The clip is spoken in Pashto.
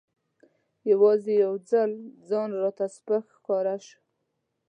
یوازې یو ځل ځان راته سپک ښکاره شو.